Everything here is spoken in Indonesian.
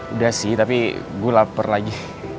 udah sih tapi gue lapar lagi